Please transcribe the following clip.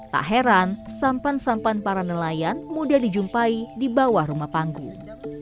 tak heran sampan sampan para nelayan mudah dijumpai di bawah rumah panggung